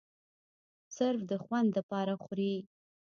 صرف د خوند د پاره خوري